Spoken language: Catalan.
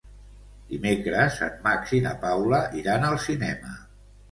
Dimecres en Max i na Paula iran al cinema.